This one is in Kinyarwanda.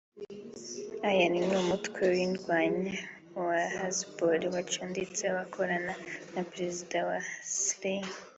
Iran n’umutwe w’indwanyi wa Hezbollah bacuditse bakorana na perezida wa Syria